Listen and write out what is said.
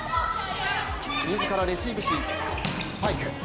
自らレシーブし、スパイク。